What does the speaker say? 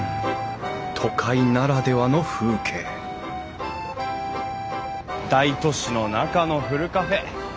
都会ならではの風景大都市の中のふるカフェ。